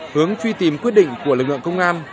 hướng truy tìm quyết định của lực lượng công an